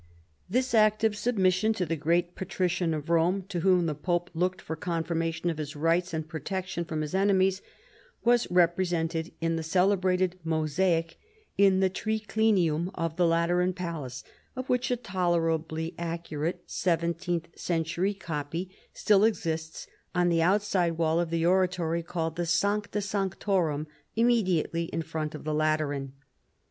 This act of submission to the great Patrician of Rome, to whom the pope looked for confirmation of his rights and protection from his enemies, was represented in the celebrated mosaic in the Triclinium of the Lateran palace, of which a tolerably accurate seventeenth century copy still exists on the outside wall of the oratory called the Sancta Sanctorum^ immediately in front of the Lateran.